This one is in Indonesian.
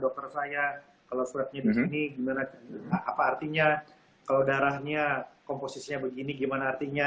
dokter saya kalau swabnya di sini gimana apa artinya kalau darahnya komposisinya begini gimana artinya